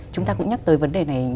chúng ta cũng nhắc tới vấn đề này là